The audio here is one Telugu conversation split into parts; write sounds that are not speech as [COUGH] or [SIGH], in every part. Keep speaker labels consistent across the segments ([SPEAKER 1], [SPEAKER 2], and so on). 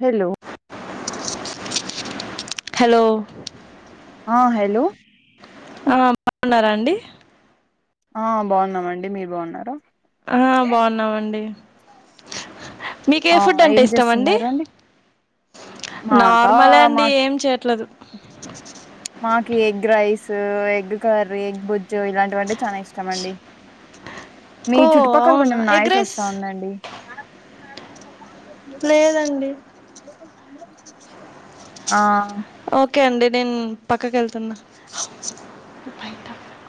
[SPEAKER 1] హలో
[SPEAKER 2] హలో
[SPEAKER 1] ఆ హలో
[SPEAKER 2] ఆ బాగున్నారా అండి.
[SPEAKER 1] ఆ బాగున్నామండి. మీరు బాగున్నారా!
[SPEAKER 2] ఆ బాగున్నామండి. మీకు ఏ
[SPEAKER 1] ఆ
[SPEAKER 2] ఫుడ్
[SPEAKER 1] ఏం
[SPEAKER 2] అంటే ఇష్టం అండి.
[SPEAKER 1] చేస్తున్నారండి మాకా
[SPEAKER 2] నార్మలే అండి
[SPEAKER 1] మాకి
[SPEAKER 2] ఏం చేయట్లేదు
[SPEAKER 1] కి egg rice, egg curry, egg బుజ్జు, ఇలాంటివంటే చాలా ఇష్టం అండి. మీ
[SPEAKER 2] ఓ
[SPEAKER 1] చుట్టుపక్కల
[SPEAKER 2] అవునా
[SPEAKER 1] కొంచెం
[SPEAKER 2] ఎగ్
[SPEAKER 1] నాయిస్
[SPEAKER 2] రైస్
[SPEAKER 1] వస్తా ఉందాండి.
[SPEAKER 2] లేదండి.
[SPEAKER 1] ఆ
[SPEAKER 2] ఓకే అండి. నేను పక్కకు వెళ్తున్నా.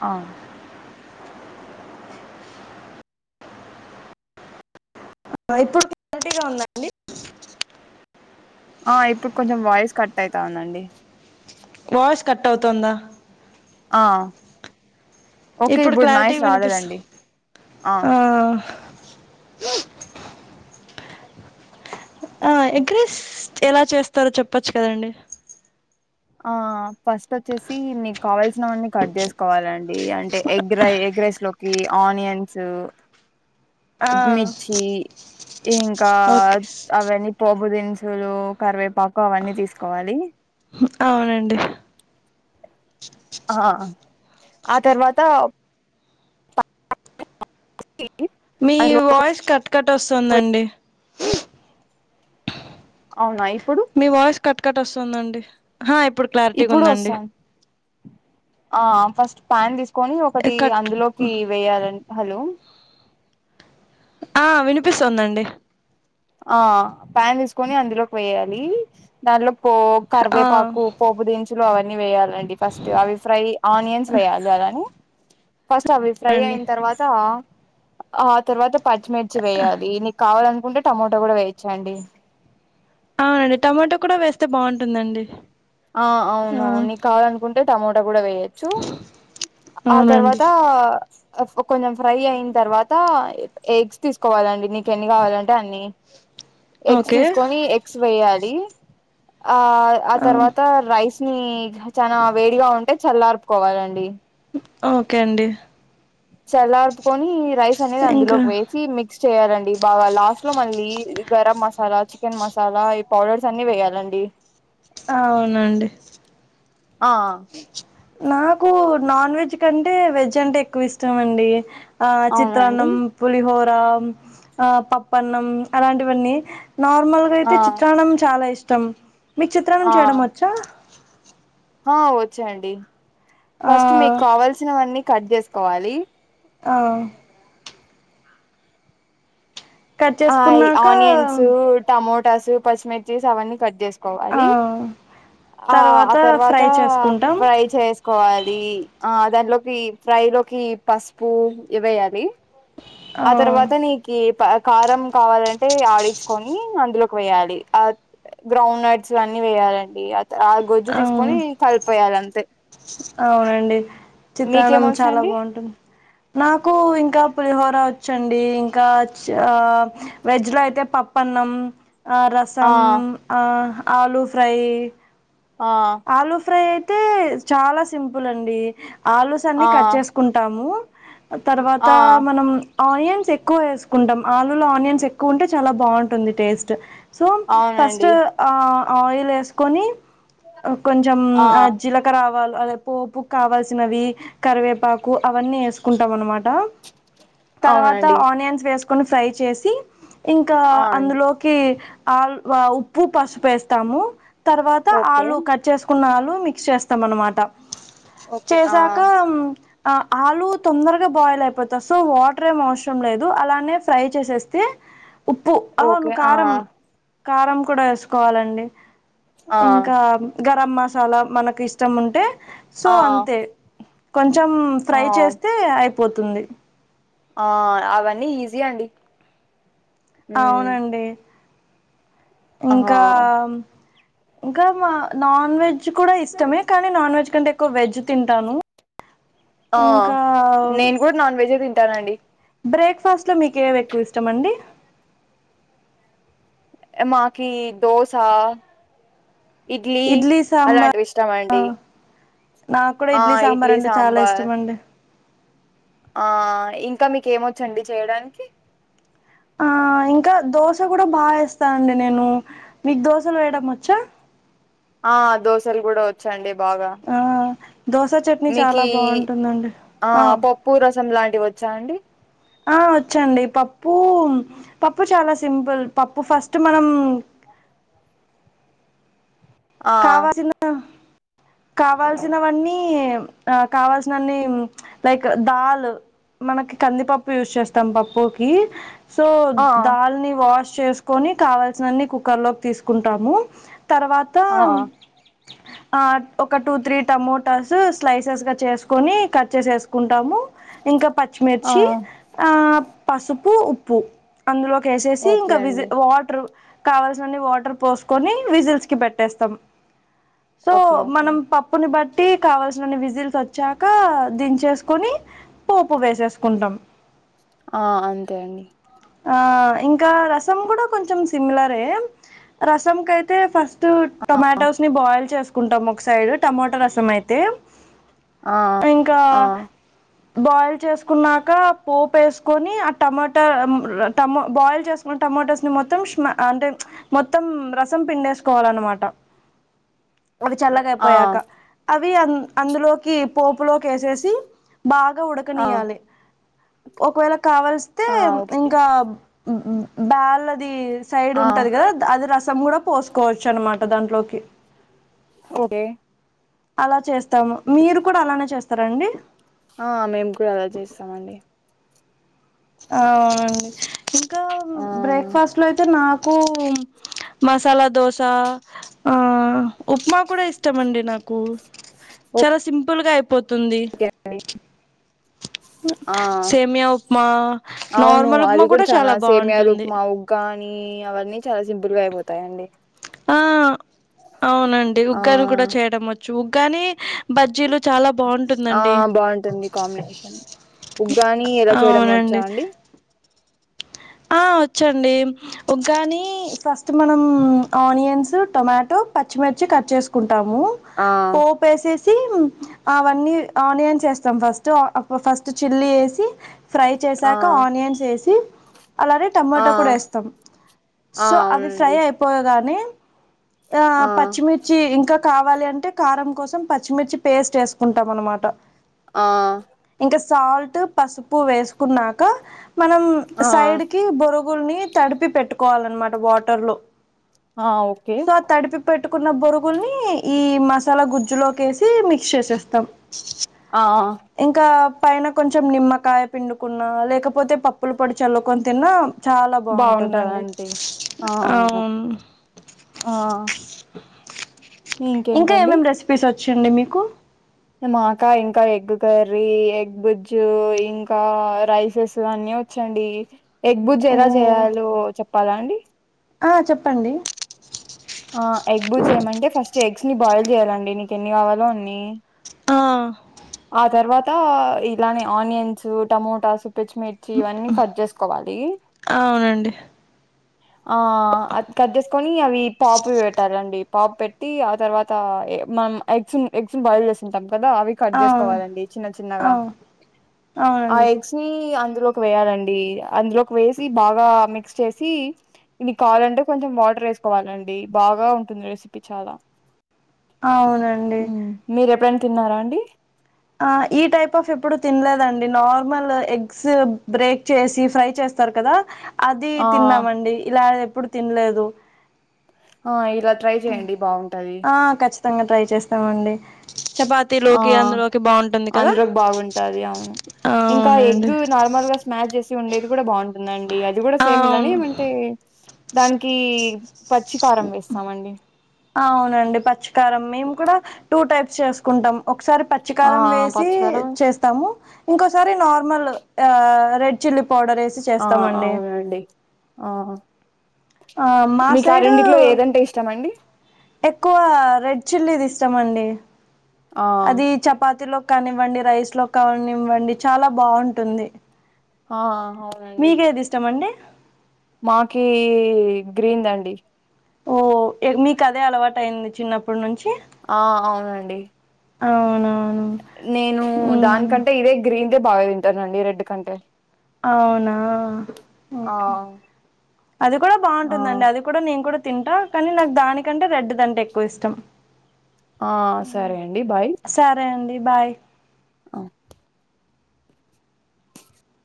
[SPEAKER 1] ఆ
[SPEAKER 2] ఇప్పుడు క్లారిటీగా ఉందాండి.
[SPEAKER 1] ఆ ఇప్పుడు కొంచెం వాయిస్ కట్ అయితా ఉందండి.
[SPEAKER 2] వాయిస్ కట్ అవుతుందా
[SPEAKER 1] ఆ ఓకే
[SPEAKER 2] ఇప్పుడు క్లారిటీ
[SPEAKER 1] నాయిస్
[SPEAKER 2] వినిపిస్తు
[SPEAKER 1] రాలేదండి
[SPEAKER 2] ఆ ఏయ్ ఆ ఎగ్ రైస్ ఎలా చేస్తారో చెప్పచ్చు కదండి.
[SPEAKER 1] ఆ ఫస్ట్ వచ్చేసి నీకు కావాల్సినవన్నీ కట్ చేసుకోవాలండి అంటే ఎగ్ రై ఎగ్ రైస్ లోకి ఆనియన్సు
[SPEAKER 2] ఆ
[SPEAKER 1] మిర్చి ఇంకా
[SPEAKER 2] ఓకే
[SPEAKER 1] అవన్నీ పో పుదినుసులు కరివేపాకు అవన్నీ తీసుకోవాలి.
[SPEAKER 2] అవునండి
[SPEAKER 1] ఆ ఆ తర్వాత
[SPEAKER 2] మీ
[SPEAKER 1] అందులో
[SPEAKER 2] వాయిస్ కట్ కట్
[SPEAKER 1] వే
[SPEAKER 2] వస్తుందండి.
[SPEAKER 1] అవునా ఇప్
[SPEAKER 2] మీ వయిస్ కట్ కట్ వస్తుందండి హా ఇప్పుడు క్లారిటీగా
[SPEAKER 1] ఇప్పుడు
[SPEAKER 2] ఉందండి.
[SPEAKER 1] వస్తాను ఆ ఫస్ట్ ప్యాన్ తీసు కొని ఒకటి
[SPEAKER 2] కట్
[SPEAKER 1] అందులోకి వేయాలని హలో
[SPEAKER 2] ఆ వినిపిస్తోందండి.
[SPEAKER 1] ఆ ప్యాన్ తీసుకొని అందులోకి వేయాలి దానిలో పో కర్వే
[SPEAKER 2] ఆ
[SPEAKER 1] పాకు పోపుదినుసులు [UNINTELLIGIBLE] అవన్నీ వేయాలి చూడండి ఫస్ట్ అవి ఫ్రై ఆనియన్స్ వేయాలి అలానే ఫస్ట్ అవి ఫ్రై
[SPEAKER 2] అండి
[SPEAKER 1] అయిన తర్వాతా ఆ తర్వాత పచ్చిమిర్చి వేయాలి నీకు కావాలే టొమోటో కూడా వేయొచ్చండి.
[SPEAKER 2] అవునండి టమాటో కూడా వేస్తే బాగుంటుందండి.
[SPEAKER 1] ఆ
[SPEAKER 2] ఆ
[SPEAKER 1] అవునవును నీకు కావాలనుకుంటే టమోటా కూడా వేయొచ్చు ఆ
[SPEAKER 2] అవునండి
[SPEAKER 1] తర్వాతా అ కొంచెం ఫ్రై అయిన తర్వాత ఎగ్స్ తీసుకోవాలండి నీకు ఎన్ని కావాలంటే అన్ని. ఎగ్స్
[SPEAKER 2] ఓకే
[SPEAKER 1] తీసుకొని ఎగ్స్ వేయాలి. రీ ఆ ఆ తర్వాత రైస్ ని చానా వేడిగా ఉంటే చల్లార్పుకోవాలండి.
[SPEAKER 2] ఓకే అండి.
[SPEAKER 1] చల్లార్పుకొని రైస్ అనేది
[SPEAKER 2] ఇంకా
[SPEAKER 1] అందులోకి వేసి మిక్స్ చేయాలండి బాగా లాస్ట్ లో మళ్ళీ గరం మసాలా చికెన్ మసాలా ఈ పౌడర్స్ అన్ని వేయాలండి.
[SPEAKER 2] అవునండి
[SPEAKER 1] ఆ
[SPEAKER 2] నాకు నాన్ వెజ్ కంటే వెజ్ అంటే ఎక్కువ ఇష్టాం అండి ఆ
[SPEAKER 1] అవునా అండి
[SPEAKER 2] చిత్రాన్నం పులిహోర్ ఆ పప్ప అన్నం అలాంటివన్నీ నార్మల్గా
[SPEAKER 1] ఆ
[SPEAKER 2] అయితే చిత్రాంనం చాలా ఇష్టం తం మీకు చిత్రానం
[SPEAKER 1] ఆ
[SPEAKER 2] చేయడం వచ్చా
[SPEAKER 1] ఆ వచ్చేండి
[SPEAKER 2] ఆ
[SPEAKER 1] ఫస్ట్ మీకు కావాల్సినవన్నీ కట్ చేసుకోవాలి
[SPEAKER 2] అ కట్
[SPEAKER 1] ఆ
[SPEAKER 2] చేసుకున్నాక
[SPEAKER 1] ఆనియన్సు టమోటో టాసు పచ్చిమిర్చిస్ అవన్నీ కట్ చేసి
[SPEAKER 2] ఆ
[SPEAKER 1] కోవాలి ఆ ఆ తర్వాత
[SPEAKER 2] ఫ్రై చేసుకుంటాం
[SPEAKER 1] ఫ్రై చేసుకోవాలి ఆ దానిలోకి ఫ్రై లోకి పసుపు ఇవేయాలి ఆ తర్వాత నీకీ కారం కావాలంటే ఆడించుకొని అందులోకి వేయాలి గ్రౌండ్ నట్స్ అన్ని వేయాలండి ఆ గొజ్జు
[SPEAKER 2] అవును
[SPEAKER 1] తీసుకొని కల్పేయాలి అంతే
[SPEAKER 2] అవునండి చిత్రాన్నం చాలా
[SPEAKER 1] మీకేమొచ్చండి
[SPEAKER 2] బాగుంటుంది నాకు ఇంకా పులిహోర వచ్చండి ఇంకా ఆవెజ్ లో అయితే పప్ప అన్నం ఆ
[SPEAKER 1] ఆ
[SPEAKER 2] రసం ఆలూ ఫ్రై
[SPEAKER 1] ఆ
[SPEAKER 2] ఆలుూ ఫ్రై అయితే చాలా సింపుల్ అండి ఆలూస్ అన్నీ
[SPEAKER 1] ఆ
[SPEAKER 2] కట్ చేసుకుంటాము తర్వాత
[SPEAKER 1] ఆ
[SPEAKER 2] మనం ఆనియన్స్ ఎక్కువ వేసుకుంటాం ఆలుూలో ఆనియన్స్ ఎక్కువ ఉంటే చాలా బాగుంటుంది టేస్ట్ సో ఫస్ట్
[SPEAKER 1] అవునండి
[SPEAKER 2] ఆ ఆయిల్ వేసుకొని కొంచెం ఆ జీలక ఆవాలు అదే పోపు కావాల్సినవి కరివేపాకు అవన్నీ వేసుకుంటాం అన్ మాట తర్వాత
[SPEAKER 1] అవునండి
[SPEAKER 2] ఆనియన్స్ వేస్ కొన్ని ఫ్రై చేసి ఇంకా
[SPEAKER 1] ఆ అండి
[SPEAKER 2] అందులోకి ఆల్ వ ఉప్పు, పసుపు వేస్తాము. తర్వాత
[SPEAKER 1] ఓకే
[SPEAKER 2] ఆలుప్ చేసుకున్న ఆలు మిక్స్ చేస్తాం. అన్నమాట
[SPEAKER 1] ఓకే ఆ
[SPEAKER 2] చేసాక మ్మ్ అ ఆలు తొందరగా బాయిల్, అయిపోత సో వాటర్ ఏం అవసరం లేదు. అలానే ఫ్రై చేసేస్తే ఉప్పు అవును
[SPEAKER 1] ఓకే ఆ
[SPEAKER 2] కారం కారం కూడా వేసుకోవాలండి.
[SPEAKER 1] ఆ
[SPEAKER 2] ఇంకా గరం మసాలా, మనకు ఇష్టం. ఉంటే సో
[SPEAKER 1] ఆ
[SPEAKER 2] అంతే కొం చం ఫ్రై
[SPEAKER 1] ఆ
[SPEAKER 2] చేస్తే అయి పోతుంది.
[SPEAKER 1] ఆ అవన్నీ ఈజీయండి.
[SPEAKER 2] అవునండి.
[SPEAKER 1] ఆహా
[SPEAKER 2] ఇంకా మ్మ్ ఇంకా మా నాన్ వెజ్ కూడా ఇష్టమే కానీ నాన్ వెజ్ కంటే ఎక్కువ వెజ్ తింటాను.
[SPEAKER 1] ఆ
[SPEAKER 2] ఇంకా
[SPEAKER 1] నేన్ కూడ్ నాన్ వెజే తిం టానండి.
[SPEAKER 2] బ్రేక్ ఫాస్ట్ ట్లో మీకేవ్ ఎక్కువ ఇష్టం అండి.
[SPEAKER 1] ఏమ్మాకీ దోసా ఇడ్లీ అలాంటివి ఇష్టమండి.
[SPEAKER 2] నాకు కూడా
[SPEAKER 1] ఆ
[SPEAKER 2] సాంబార్
[SPEAKER 1] ఇడ్లీ,
[SPEAKER 2] అంటే చాలా
[SPEAKER 1] సాంబార్
[SPEAKER 2] ఇష్టం అండి
[SPEAKER 1] ఆ ఇంకా మీకు ఏమొచ్చండి. చేయడానికి
[SPEAKER 2] ఆ ఇంకా దోశ కూడా బాగేస్తానండి. నేను మీకు దోశలు వేయడం. వచ్చా
[SPEAKER 1] ఆ దోసలు కూడా వచ్చండి. బాగా
[SPEAKER 2] ఆ దోస, చట్నీ చాలా
[SPEAKER 1] మీకి
[SPEAKER 2] బాగుంటుందండి. ఆ
[SPEAKER 1] [UNINTELLIGIBLE] లాంటివి వచ్చా అండి.
[SPEAKER 2] ఆ వచ్చండి. పప్పుమ్, పప్పు చాలా సింపుల్ పప్పు ఫస్ట్ మనం
[SPEAKER 1] ఆ
[SPEAKER 2] కావాల్సిన కావాల్సినవన్నీ, ఆ కావాల్సినన్ని హ్మ్ లైక్ దాల్ మనకి కందిపప్పు యూస్ చేస్తాం. పప్పుకి సో
[SPEAKER 1] ఆ
[SPEAKER 2] దాల్ని వాష్ చేసుకొని కావాల్సినన్ని కుక్కర్ లోకి తీసుకుంటాము తర్వాత తా
[SPEAKER 1] ఆ
[SPEAKER 2] ఆ ఒక టూ త్రీ టమోటాస్ స్లైసెస్గా చేసుకొని కట్ చేసేసుకుంటాము ఇంకా
[SPEAKER 1] ఆ
[SPEAKER 2] పచ్చిమిిర్చి ఆ పసుపు ఉప్పు అందులో కేసేసి
[SPEAKER 1] ఓకే
[SPEAKER 2] ఇంకా విజ్
[SPEAKER 1] అండి
[SPEAKER 2] వాటర్ కావల్సిన అన్ని వాటర్ పోసుకొని విజిల్స్ కి పెట్ట ట్టేస్తాం సో
[SPEAKER 1] ఓకే ఓకే
[SPEAKER 2] మనం పప్పుని బట్ టీ కావల్సినన్ని విజిల్స్ వచ్చాక దించేసుకొని పోపు వేసేసుకుంటాం
[SPEAKER 1] ఆ అంతే అండి
[SPEAKER 2] ఆ ఇంకా రసం కూడా కొంచెం సిమిలరే రసం కైతే అయితే ఫస్ట్ టమాటోస్ని బాయిల్ చేసుకుంటాము ఒక సైడ్ టమాటో రసం అయితే
[SPEAKER 1] ఆ
[SPEAKER 2] ఇంకా
[SPEAKER 1] ఆ ఆ
[SPEAKER 2] బాయిల్ చేసుకున్నాక పోపు వేసుకొని ఆ టమాటా టమో బాయిల్ చేసుకున్న టమోటోస్ ని మొత్తం అంటే మొత్తం రసం పిండేసుకోవాలన్నమాట అవి చల్లగా
[SPEAKER 1] ఆ
[SPEAKER 2] అయిపోయాక అవి అందులోకి పోపులోకి వేసేసి బాగా
[SPEAKER 1] ఆ
[SPEAKER 2] ఉడకనియాలి ఒకవేళ కావల్స్తే
[SPEAKER 1] ఆ ఓకే
[SPEAKER 2] ఇంకా బెల్లది సైడ్
[SPEAKER 1] ఆ
[SPEAKER 2] ఉంటంది కదా అది ర ం కూడా పోసుకోవచ్చు అన్నమాట దాంట్లోకి
[SPEAKER 1] ఓకే
[SPEAKER 2] అలా చేస్త తం మీరు కూడా అలానే చేస్త ఇస్తారండి
[SPEAKER 1] ఆ మేము కూడా అలా చేస్తామండి
[SPEAKER 2] అవునండి ఇంకా
[SPEAKER 1] ఆ
[SPEAKER 2] బ్రేక్ఫాస్ట్ లో అయితే నాకు కు మసాలా దోస ఆ ఉప్మా కూడా ఇష్టమ అండి నాకు చాలా సింపుల్గా అయి తుంది
[SPEAKER 1] ఓకే అండి ఆ
[SPEAKER 2] సేమియా ఉప్మా
[SPEAKER 1] అవును
[SPEAKER 2] నార్మల్ ఉప్మా కూడా చాలా బాగుంటుంది
[SPEAKER 1] కానీ అవన్నీ చాలా సింపుల్ గా అయిపోతాయండి
[SPEAKER 2] ఆ అవునండి
[SPEAKER 1] ఆ
[SPEAKER 2] ఉగ్గాని కూడా చేయడం వచ్చు చ్చు ఉగ్గాని బజ్జీలు చాలా
[SPEAKER 1] ఆ
[SPEAKER 2] బాగుంటుందండి.
[SPEAKER 1] బాగుంటుంది కాంబినేషన్ ఉగ్గాని ఎలా చేయడం వచ్చా
[SPEAKER 2] అవునండి
[SPEAKER 1] అండి.
[SPEAKER 2] ఆ వచ్చండి ఉగ్గాని ఫస్ట్ ఫస్ట్ మనం ఆనియన్స్ టొమాటో పచ్చిమిర్చి కట్ చేసుకుంటా టాము
[SPEAKER 1] ఆ
[SPEAKER 2] పోపెసేసి సీ అవన్ని ఆనియన్స్ వేస్తాం ఫస్టు అప్పు ఫస్ట్ చిల్లి వేసి ఫ్రై
[SPEAKER 1] ఆ
[SPEAKER 2] చేశాక ఆనియన్స్ వేసి అలానే
[SPEAKER 1] ఆ
[SPEAKER 2] టమాటా కూడా వేస్తాం
[SPEAKER 1] ఆ
[SPEAKER 2] సో అవి ఫ్రై
[SPEAKER 1] అవునండి
[SPEAKER 2] అయిపోయగానే ఆ పచ్చిమిర్చి ఇంకా కావాలి అంటే కారం కోసం పచ్చిమిర్చి పేస్ట్ వేసుకుంటాం అనమాట
[SPEAKER 1] ఆ
[SPEAKER 2] ఇంక సాల్ట్ పసుపు వేసుకున్నాక మనం
[SPEAKER 1] ఆ
[SPEAKER 2] సైడ్కి బొరుగుల్ని తడిపి పెట్టుకోవాలన్నమాట వాటర్ లో
[SPEAKER 1] ఆ ఓకే
[SPEAKER 2] పేట్టుకున్న బొరుగుల్ని ఈ మసాలా గుజ్జులోకేసి మిక్స్ చేసేస్తాం.
[SPEAKER 1] ఆ
[SPEAKER 2] ఇంకా పైన కొంచెం నిమ్మకాయ పిండుకున్నా లేకపోతే పప్పులు పొడి చల్లు కోని తిన్న చాలా బాగుంటుందండి
[SPEAKER 1] బాగుంటదండి
[SPEAKER 2] ఆ
[SPEAKER 1] ఆ
[SPEAKER 2] ఇంకా
[SPEAKER 1] ఇంకేంటండి
[SPEAKER 2] ఏమేమేం రెసిపీస్ వచ్చ్ వచ్చండి మీకు
[SPEAKER 1] మాకా ఇంకా ఎగ్ కర్రీ ఎగ్ బుజ్జు ఇంకా రైసెస్ అన్నీ వచ్చండి. ఎగ్బుజ్
[SPEAKER 2] ఓ
[SPEAKER 1] ఎలా చేయలో చెప్పాలా అండి.
[SPEAKER 2] ఆ చెప్పండి.
[SPEAKER 1] ఆ ఎగ్ బుజ్ ఏమంటే ఫస్ట్ ఎగ్స్ ని బాయిల్ చేయాలండి నీకు ఎన్ని కావాలో అన్ని
[SPEAKER 2] ఆ
[SPEAKER 1] ఆ తర్వాత ఇలానే ఆనియన్స్ టమోటాస్ పచ్చిమిర్చి ఇవన్నీ కట్ చేసుకోవాలి.
[SPEAKER 2] అవునండి
[SPEAKER 1] ఆ అది కట్చేసుకొని అవి పాపు పెట్టాలండి పాప్ పెట్టి ఆ తర్వాత మనం ఎగ్స్ ఎగ్స్ బాయిల్ చేసింటాం పదా ఆవి కట్ చేసు
[SPEAKER 2] అవును
[SPEAKER 1] కొవాలండి చిన్న చిన్నగా
[SPEAKER 2] అవు
[SPEAKER 1] ఆ
[SPEAKER 2] అవునండి
[SPEAKER 1] ఎగస్ ని అందులోకి వేయాలండి అందులోకి వేసి బాగా మిక్స్ చేసి ఇ కావాలంటే కొంచెం వాటర్ వేసుకోవాలండి బాగా ఉంటుంది రెసిపీ చాలా
[SPEAKER 2] అవునండి
[SPEAKER 1] హ్మ్. మీరు ఎప్పుడైనా తిన్నారా అండి
[SPEAKER 2] ఆ ఈ టైప్ ఆఫ్ ఎప్పుడు తినలేదండి నార్మల్ ఎగ్స్ బ్రేక్ చేసి ఫ్రై చేస్తారు కదా అది
[SPEAKER 1] ఆ
[SPEAKER 2] తిన్నామండి ఇలా ఇప్పుడు తినలేదు
[SPEAKER 1] ఆ ఇలా ట్రై చేయండి బాగుంటది
[SPEAKER 2] కచ్చితంగా ట్రై చేస్తామండి
[SPEAKER 1] ఆ
[SPEAKER 2] చపాతీలోకి అందులోకి బాగుంటుంది కదా
[SPEAKER 1] అందులోకి బాగుంటది అవును
[SPEAKER 2] అ
[SPEAKER 1] ఇంకా
[SPEAKER 2] అవునండి
[SPEAKER 1] ఎగ్ నార్మల్ గా స్మాష్ చేసి ఉండేది కూడా బాగుంటుందండి అండి అది కూడా సేమ్
[SPEAKER 2] అవును
[SPEAKER 1] ఇలానేమంటే దానికి పచ్చికారం వేస్తామండి
[SPEAKER 2] అవునండి పచ్చకారం మేము కూడా టూ టైప్స్ చేసుకుంటాం ఒకసారి
[SPEAKER 1] ఆ
[SPEAKER 2] పచ్చికారం
[SPEAKER 1] ఆ!
[SPEAKER 2] వేసి
[SPEAKER 1] పచ్చికారం
[SPEAKER 2] చేస్తాము ఇంకోసారి నార్మల్ ఆ రెడ్ చిల్లి
[SPEAKER 1] ఆ అవునండి ఆ
[SPEAKER 2] ఆ మా
[SPEAKER 1] మీకు ఆ
[SPEAKER 2] సైడు
[SPEAKER 1] రెండింటిలో ఏదంటే ఇష్టం అండి
[SPEAKER 2] ఎక్కువ రెడ్ చిల్లీది ఇష్టమండి
[SPEAKER 1] ఆ
[SPEAKER 2] అది చపాతిలో క్కనివ్వండి రైస్ లో కా కానివ్వండి చాలా బాగుంటుంది
[SPEAKER 1] ఆ అవునండి
[SPEAKER 2] మీకేది ఇష్టం అండి
[SPEAKER 1] మాకి గ్రీన్ దండి
[SPEAKER 2] ఓ మీకు అదే అలవాట అయింది చిన్నప్పటి నుంచి
[SPEAKER 1] ఆ అవునండి
[SPEAKER 2] అవునవును
[SPEAKER 1] నేను
[SPEAKER 2] ఉమ్,
[SPEAKER 1] దానికంటే ఇదే గ్రీన్ ఇదే బాగా తింటనండి రెడ్ కంటే
[SPEAKER 2] అవునా
[SPEAKER 1] ఆ
[SPEAKER 2] ఓకే అది కూడా
[SPEAKER 1] ఆ
[SPEAKER 2] బాగుంటుందండి అది కూడా నేను కూడా తింటా కానీ నాకు దానికంటే రెడ్ దంటే ఎక్కువ ఇష్టం
[SPEAKER 1] ఆ సరే అండి బాయ్
[SPEAKER 2] సరే అండి బాయ్
[SPEAKER 1] ఆ